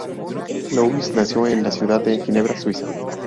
Louis nació en la ciudad de Ginebra, Suiza.